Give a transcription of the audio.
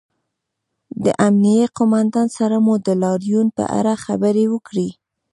د امنیې قومندان سره مو د لاریون په اړه خبرې وکړې